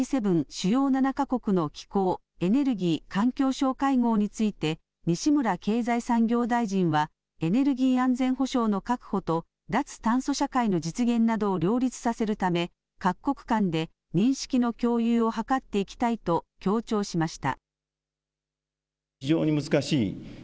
・主要７か国の気候・エネルギー・環境相会合について西村経済産業大臣はエネルギー安全保障の確保と脱炭素社会の実現などを両立させるため各国間で認識の共有を図っていきたいと強調しました。